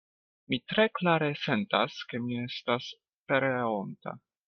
Mi tre klare sentas, ke mi estas pereonta.